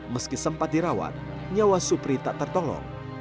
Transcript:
meski sempat dirawat nyawa supri tak tertolong